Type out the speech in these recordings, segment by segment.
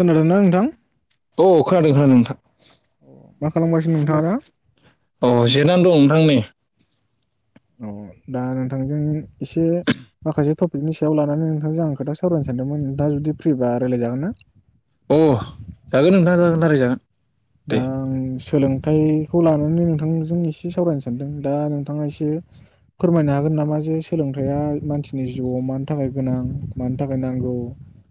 खोनादोंना नोंथां औ खोनादों खोनादों नोंथां मा खालामगासिनो नोंथाङा दा अ जेनानै दं नोंथां नै औ दा नोंथांजों एसे माखासे टपिकनि सायाव लानानै नोंथांजों आं खोथा सावरायनो सानदोंमोनों नोंथांआ जुदि फ्रिबा रायज्लायजागोन ना अ जागोन नोंथाङा जागोन रारै जागोन दं सोलोंथाइखौ लानानै नोंथांजों एसे सावरायनो सानदों। दा नोंथाङा एसे फोरमायनो हागोन नामा जे सोलोंथाइया मानसिनि जिउआव मानि थाखाय गोनां, मानि थाखाय नांगौ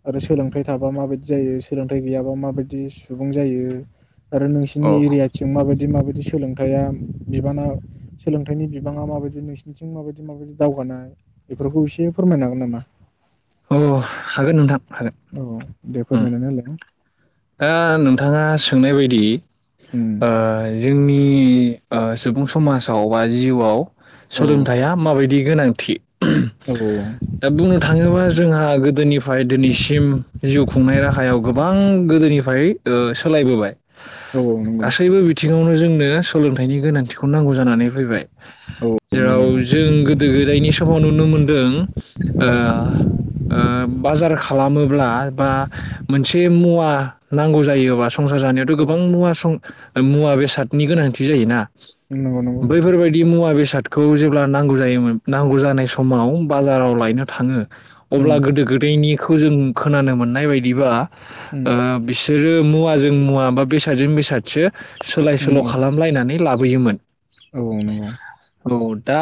आरो सोलोंथाइ थाबा माबायदि जायो सोलोंथाइ गैयाबा माबायदि सुबुं जायो? आरो अ नोंसिनि एरियाथिं माबायदि बिदि माबायदि सोलोंथाया, बिबाना सोलोंथाइनि बिबाङा माबायदि नोंसिनिथिं माबायदि माबायदि दावगानाय बेफोरखौ एसे फोरमायनो हागोन नामा? अ हागोन नोंथां। हागोन औ दे फोरमायनानै होलाय। ओ नोंथाङा सोंनाय बायदि। उम ओ जोंनि सुबुं समाजाव बा जिउआव। औ सोलोंथया माबायदि। गोनांथि। औ दा बुंनो थाङोबा जोंहा गोदोनिफ्राय दिनैसिम जिउ खुंनाय राहायाव गोबां। गोदोनिफ्राय सोलायबोबाय। औ नंगौ गासैबो बिथिङावनो जोंनो। सोलोंथाइनि गोनांथिखौ नांगौ जानानै फैबाय। औ नंगौ जेराव जों गोदो गोदायनि समाव नुनो मोनदों। ओ ओ बाजार खालामोब्ला बा मोनसे मुवा। नांगौ जायोबा। संसार जानायावथ औ गोबां मुवा। मुवा बेसादनि गोनांथि जायोना? नंगौ नंगौ बैफोरबायदि मुवा बेसाद खौ जेब्ला नांगौ जायोमोन नांगौ जानाय समाव बाजाराव लायनो थाङो। अब्ला उम गोदो गोदायनि। खौ जों खोनानो मोननाय बायदिबा। ओम। ओ बिसोरो मुवाजों मुवा बेसादजों बेसादसो। सोलाय सोल उम औ खालामलायनानै लाबो। बुयोमोन। औ नंगौ। दा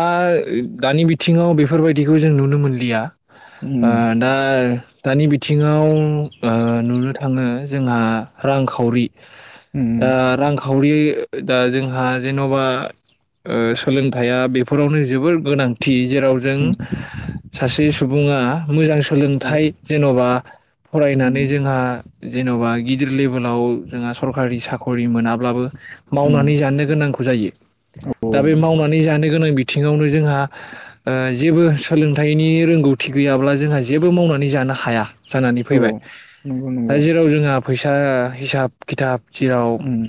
दानि बिथिङाव बेफोरबायदिखौ जों नुनो मोनलिया ओ उम दा दानि बिथिङाव ओ नुनो थाखाय। थाङो जोंहा रांखावरि दा उम ओ रांखावरि दा जोंहा जेनबा सोलोंथाइया बेफोरावनो जोबोर गोनांथि जेराव जों उम सासे सुबुङा मोजां औ सोलोंथाइ जेनबा उम फरायनानै जोंहा जेनबा गिदिर लेभेलाव जोंहा सरकारि साखरि मोनाब्लाबो उम मावनानै जानो गोनांखौ जायो औ दा बे मावनानै जानो गोनां बिथिङावनो जोंहा जेबो सोलोंथाइनि रोंगौथि गैयाब्ला जोंहा जेबो मावनानै जानो हाया जानानै औ फैबाय नंगौ दा नंगौ जेराव जोंहा फैसा हिसाब खिथाब। जेराव। उम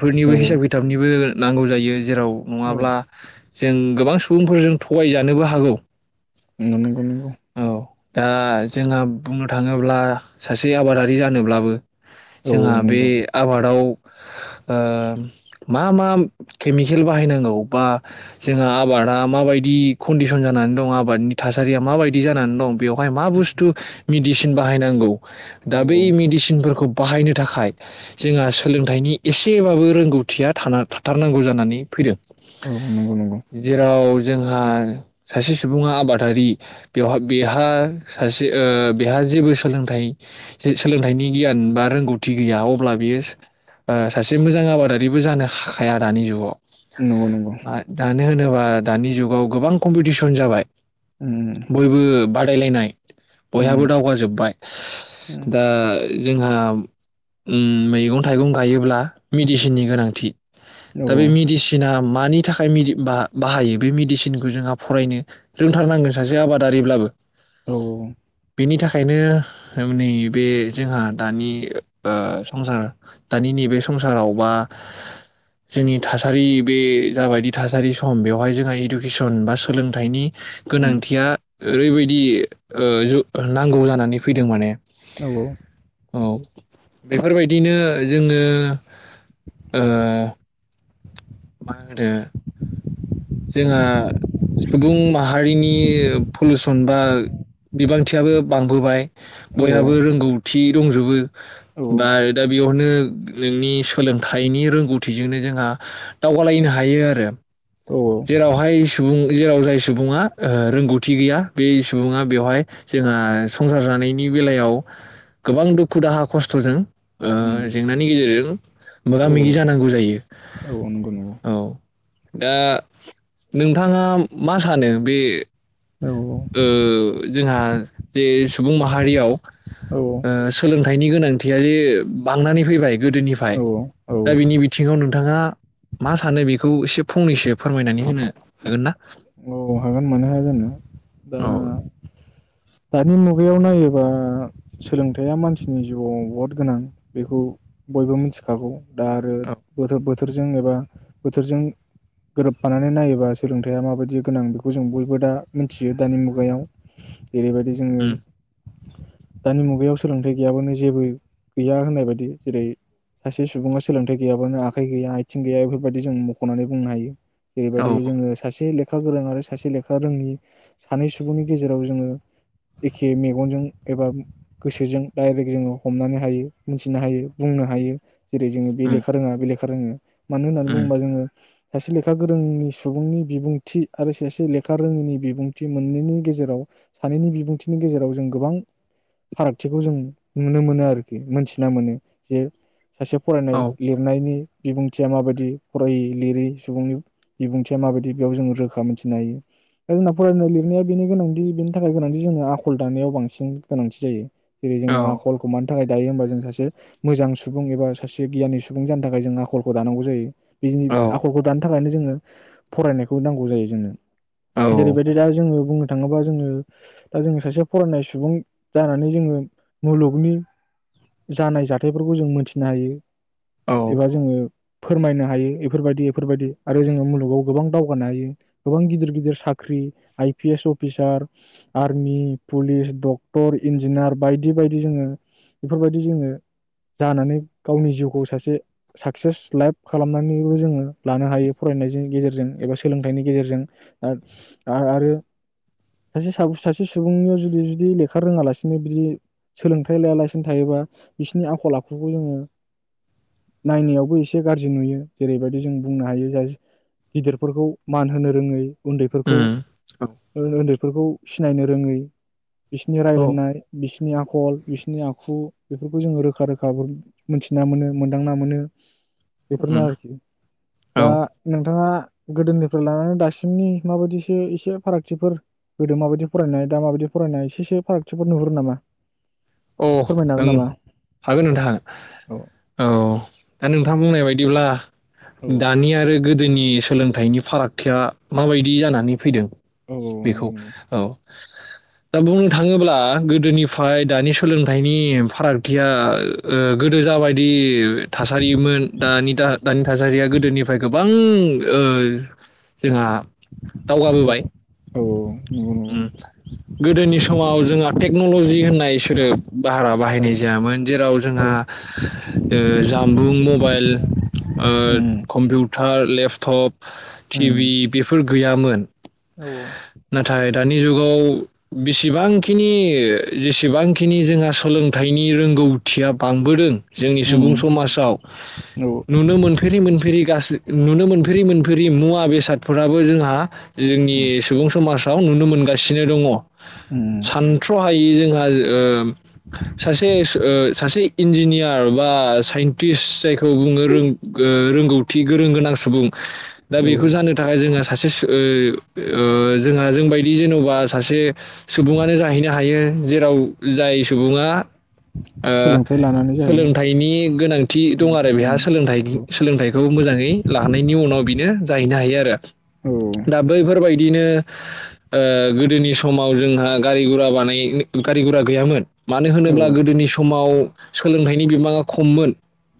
फोरनिबो औ हिसाब खिथाबनिबो नांगौ जायो जेराव नङाब्ला जों गोबां सुबुंफोरजों थगायजानोबो हागौ नंगौ नंगौ नंगौ औ दा जोंहा बुंनो थाङोब्ला सासे आबादारि। बे जानोब्लानबो औ जोंहा बे नंगौ आबादाव ओ मा मा केमिकेल बाहायनांगौ बा जोंहा आबादा माबादि कनदिसन जानानै दं आबादनि थासारिया माबादि जानानै दं। बेवहाय मा उम बुस्थु मेडिसिन बाहायनांगौ। दा औ बै औ मेडिसिनफोर खौ बाहायनो थाखाय जोंहा सोलोंथाइनि एसेबाबो रोंगौथिया था थाथारनांगौ जानानै फैदों। औ नंगौ नंगौ। जेराव जोंहा सासे सुबुङा आबादारि बेवहा बेहा सासे बेहा जेबो सोलोंथाइ जे सोलोंथाइनि गियान बा रोंगौथि गैया अब्ला बियो सासे मोजां आबादारिबो जानो हाखाया दानि जुगाव नंगौ नंगौ दानो होनोबा दानि जुगाव गोबां कम्पिटिसन जाबाय। उम बयबो बाय बादायलायनाय बयहाबो उम दावगाजोब्बाय उम दा जोंहा मैगं थाइगं गायोब्ला मेडिसिननि गोनांथि औ उम औ दा बे मेडिसिना मानि थाखाय बाहायो बे मेडिसिनखौ जोंहा फरायनो रोंथारनांगोन सासे आबादारिब्लाबो बेनि थाखायनो नैबे जोंहा दानि संसार दानि नैबे संसाराव बा जोंनि थासारि बे जाबायदि थासारि सम बेवहाय जोंहा इडुकेसन बा सोलोंथाइनि गोनांथिया ओरैबायदि ज नांगौ जानानै फैदों माने औ। बेफोरबायदिनो जोङो ओ मा होनदो जोंहा सुबुं माहारिनि पलुसन बा बयहाबो रोंगौ थि दंजोबो बा दा जेरावहाय सुबुं जेराव जाय सुबुङा ओ रोंगौथि गैया बे सुबुङा बेवहाय जोंहा संसार जानायनि बेलायाव गोबां दुखु दाहा खस्थजों ओ उम जेंनानि गेजेरजों मोगा औ मोगि जानांगौ जायो औ नंगौ औ दा नोंथाङा मा सानो बे नंगौ औ ओ जोंहा जे सुबुं माहारियाव औ औ ओ सोलों थायनि गोनांथियारि बांनानै फैबाय गोदोनिफ्राय औ औ दा बिनि बिथिङाव नोंथाङा मा सानो बेखौ एसे फंनैसो फोरमायनानै होनो हागोन ना? औ हागोन मानो हाया जानो औ। दा दानि मुगायाव नायोबा सोलोंथाइया मानसिनि जिउआव बहुद गोनां बेखौ बयबो मिथिखागौ दा आरो [unintelligible] थोरजों एबा बोथोरजों गोरोबफानानै नायोबा सोलोंथायाइया माबायदि गोनां बेखौ जों बयबो दा मिथियो दानि मुगायाव। जेरैबायदि जोङो उम दानि मुगायाव सोलोंथाइ गैयाबानो जेबो गैया होननाय बायदि जेरै सासे सुबुङा सोलोंथाइ गैयाबानो आखाइ गैया आथिं गैया बेफोरबायदि जों मुखनानै बुंनो हायो। औ जेरैबायदि जोङो सासे लेख लेखा गोरों आरो सासे लेखा रोङि सानै सुबुंनि गेजेराव जोङो एखे मेगनजों एबा गोसोजों दडाइरेक्ट जोङो हमनानै हायो मोनथिनो हायो बुंनो हायो। जेरै जोङो बे उम लेखा रोङा बे लेखा फोरोङो। मानो होननानै उम बुङोबा जोङो सासे लेखा गोरोंनि सुबुंनि बिबुंथि आरो सासे लेखा रोङिनि बिबुंथि मोननैनि गेजेराव सानैनि बिबुंथिनि गेजेराव जों गोबां फारागथिखौ जों नुनो मोनो आरोखि मोनथिना मोनो जे सासे फरायनाय औ लिरनायनि बिबुंथिया माबायदि फरायै लिरै सुबुंनि बिबुंथिया माबायदि बेयाव जों रोखा मोनथिनो हायो दा जोंना फरायनाय लिरनाया बेनि गोनांथि बे नि थाखाय गोनांथि जोङो आखल दानायाव बांसिन गोनांथि जायो। जेरै औ जोङा आखलखौ मान थाखाय दायो होमबा जों सासे मोजां सुबुं एबा सासे गियानि सुबुं जानो थाखाय जों आखलखौ दानांगौ जायो। बि जोंनि औ आखलखौ दानो थाखायनो जोंङो फरायनायखौ नांगौ जायो जोंनो। औ जेरैबायदि दा जोंङो बुंनो थांङोबा जोंङो दा जोंङो सासे फरायनाय सुबुं जानानै जोंङो मुलुगनि जानाय जाथायफोरखौ जों मोनथिनो हायो औ एबा जोंङो फोरमायनो हायो बेफोरबायदि-बेफोरबायदि आरो जोंङो मुलुगाव गोबां दावगानो हायो गोबां गिदिर-गिदिर साख्रि I P S officer army police doctor engineer बायदि-बायदि जोंङो बेफोरबायदि जोंङो जानानै गावनि जिउखौ सासे साक्सेस लाइफ खालामनानैबो जोंङो लानो हायो फरायनायनि गेजेरजों एबा सोलोंथाइनि गेजेरजों दा आरो सासे-सासे सुबुंनियाव जुदि-जुदि लेखा रोंङालासिनो बिदि सोलोंथाइ लायालासिनो थायोबा बिसोरनि आखल आखुखौ जोंङो नायनायावबो एसे गाज्रि नुयो जेरैबायदि जों बुंनो हायो जाय गिदिरफोरखौ मान होनो रोंङै। उन्दैफोरखौ उम उन्दै सिनायनो रोंङै बिसिनि औ रायलायनाय बि बिसोरनि आखल बिसोरनि आखु बेफोरखौ जोंङो रोखा-रोखा मोनथिना मोनो मोनदांना मोनो। बेफोरनो उम आरोखि औ दा नोंथांङा गोदोनिफ्राय लानानै दासिमनि माबायदिसो एसे फारागथिफोर गोदो माबायदि फरायनाय दा माबायदि फरायनाय एसे एसो फारागथिफोर नुहुरो नामा। अ फोरमायनो हागोन नों नामा? हागोन नोंथां औ औ दा नोंथांङा बुंनाय बाय बिदिब्ला औ दानि आरो गो दोनि सोलोंथाइनि फारागथिया मा बायदि जानानै फैदों। औ औ बेखौ नंगौ नंगौ औ दा बुंनो थांङोब्ला गोदोनिफ्राय दानि सम सोलोंथाइनि फारागथिया गोदो जाबायदि थासारिमोन दा दानि थासारिया गोदोनिफ्राय गोबां जोंहा दावगाबोबाय। औ औ नंगौ नंगौ औ उम अम गोदोनि समाव जोंहा टेक्नलजि होननाय सोदोब बारा औ बाहायनाय जायामोन जेराव जोंहा ओ जामबुं मबायल ओ कम्पिउ ओ लेफतप टिभि बेफोर गैयामोन। औ जाय दानि जुगाव बेसेबांखिनि जेसेबांखिनि जोंहा सोलोंथाइनि रोंगौ थिया बांबोदों जोंनि सुबुं समाजाव औ नुनो मोनफेरि-मोनफेरि गासै नुनो मोनफेरि-मोनफेरि मुवा मुवा बेसादफोराबो जोंहा जोंनि सुबुं समाज [unintelligible] नुनो मोनगासिनो दङ उम सानथ्रहायै जोंहा सासे सासे इन्जिनियार बा साइन्टिस्ट जायखौ बुङो रोंगौथि गोरों गोनां सुबुं दा औ बेखौ जानो थाखाय जोंहा सासे [unintelligible] जोंहा जोंबायदि जेनबा सासे सुबुङानो जाहैनो हायो जेराव जाय सुबुङा सोलोंथाइ लानानै जाहैयो सोलोंथाइनि गोनांथि दं उम आरो उम बेहा सोलोंथाइ औ सोलोंथाइखौ मोजाङै लानायनि उनाव बिनो जाहैनो हायो आरो औ दा बैफोरबायदि बिनो गोदोनि समाव जोंहा गारि गुरा बानाय गारि गुरा गैयामोन मानो औ होनोब्ला गोदोनि समाव सोलोंथाइनि बिबाङा खममोन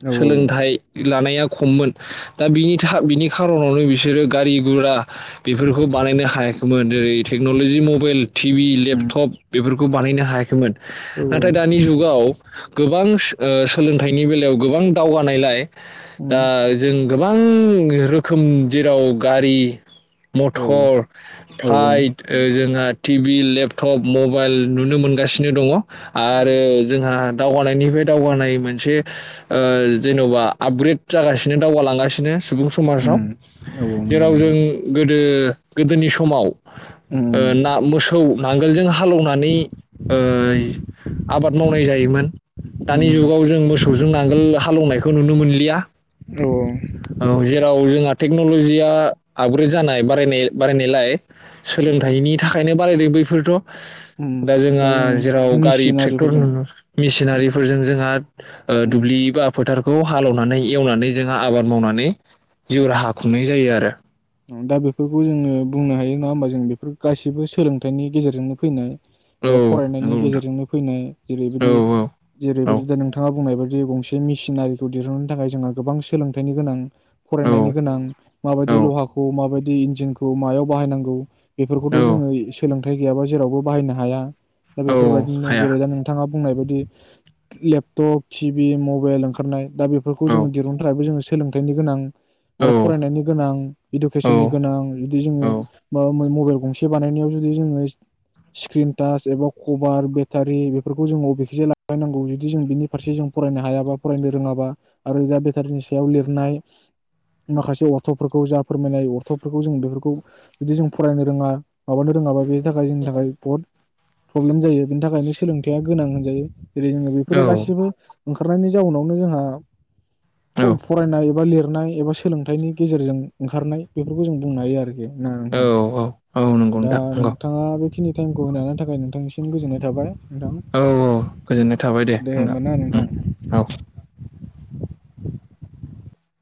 औ सोलोंथाइ लानायाव खममोन दा बिनि बिनि खारनावनो बिसोरो गारि गुरा बेफोरखौ बानायनो हायाखै खोमोन ओरै टेक्नलजि मबाइल टिभि उम औ उम लेपटप बेफोरखौ खौ बानायनो हायाखैमोन औ नाथाय दानि जुगाव गोबां सोलोंथाइनि बेलायाव गोबां दावगानायलाय दा जों गोबां रोखोम जेराव गारि औ मथर उम औ फाइट जोंहा टि भि लेपटप मबाइल नुनो मोनगासिनो दङ आरो जोंहा दावगानायनिफ्राय दावगानाय मोनसे जेनबा आपग्रेद जागासिनो दावगालांगासिनो सुबुं समाजाव नंगौ जेराव नंगौ जों गोदो गोदोनि सम माव उम ना मोसौ नांगोलजों हालौनानै ओ आबाद मावनाय जायोमोन। दानि उम जुगाव जों मोसौजों नांगोल हालौवनायखौ खौ नुनो मोनलिया औ। औ जेराव जोंहा टेक्नलजिया आपग्रेड जानाय बारायनाय बारायनायलाय उम सोलोंथाइनि थाखायनो बारायदों बैफोरथ। उम दा जोंहा जों जेराव गारि ट्रेक्टर न मेसिनारिफोरजों उम मेसिनारिफोरजों जोंहा ओ उम दुब्लि बा फोथार औ हालेवनानै एवनानै जोंहा आबाद। मावनानै। जिउ उम राहा खुंनाय जायो आरो। दा बेफोरखौ जोङो बुंनो हायो नङा होमबा जों बेफोर गाससिबो सोलोंथाइनि गेजेरजोंनो फैनाय। औ एबा फरायनायनि नंगौ नोंथां गेजेरजोंनो फैनाय औ जेरैबायदि जेरैबायदि दा नोंथाङा बुंनाय बा बे गंसे मेसिनारिखौ दिहुननो थाखाय जोंहा गोबां सोलोंथाइनि गोनां। औ फरायनायनि गोनां माबायदि औ औ लहाखौ माबा इन्जिनखौ मायाव बाहायनांगौ। बेफोरखौथ जोङो सोलों थै गैयाबा जेरावबो बाहायनो हाया। दा औ बेफोरबायदिनो हाया जेरै दा नोंथाङा बुंनाय बायदि लेपटप टिभि मबाइल ओंखारनाय। दा बेफोरखौ औ जों [unintelligible] सोलोंथाइनि गोनां। औ आरो फरायनायनि गोनां औ इडुकेसननि गोनां जुदि जोङो माबा मबाइल गंसे बानायनायाव जुदि जोङो स्क्रिन टाच एबा कभार बेटारि बेफोरखौ जों अबेखेसे लाबायनांगौ जुदि जों बिनि फारसे जों फरायनो हायाबा फरायनो रोङाबा आरो दा बेटारिनि सायाव लिरनाय। माखासे अर्थफोरखौ जा फोरमायनाय अर्थफोरखौ जों बेफोरखौ जुदि जों फरायनो रोङा। माबानो रोङाबा बेनि थाखाय जोंनि थाखाय बहुद प्रब्लेम जायो बेनि थाखायनो सोलोंथाइया गोनां होनजायो। जेरै जोङो बेफोरो औ गासिबो खारनायनि जाउनावनो जोंहा। फ-फरायनाय एबा लिर हनाय। एबा सोलोंथाइनि गेजेरजों ओंखारनाय बेफोरखौ जों बुंनो हायो आरोखि। ना नोंथां औ औ औ नंगौ दा नोंथां नंगौ नोंथाङा बेखिनि टाइमखौ होनो हानायनि थाखाय नोंथांनिसिम गोजोननाय थाबाय। नोंथां औ औ गोजोननाय थाबाय दे होमबा होनबा ना उम नोंथां औ।